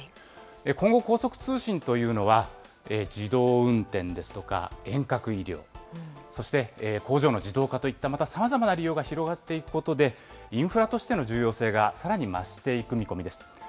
今後、高速通信というのは自動運転ですとか遠隔医療、そして工場の自動化といったさまざまな利用が広がっていくことで、インフラとしての重要性がさらに増していく見込みです。